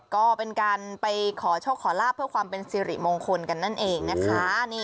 ก็เป็นการไปขอโชคขอลาบเพื่อความเป็นสิริมงคลกันนั่นเองนะคะ